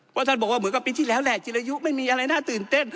เพราะท่านบอกว่าเหมือนกับปีที่แล้วแหละจิรยุไม่มีอะไรน่าตื่นเต้น